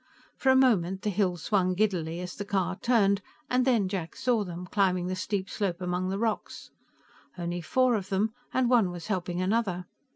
For a moment, the hill swung giddily as the car turned, and then Jack saw them, climbing the steep slope among the rocks. Only four of them, and one was helping another.